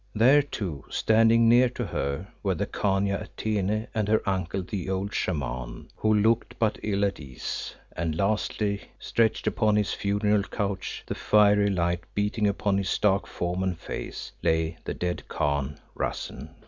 There, too, standing near to her were the Khania Atene and her uncle the old Shaman, who looked but ill at ease, and lastly, stretched upon his funeral couch, the fiery light beating upon his stark form and face, lay the dead Khan, Rassen.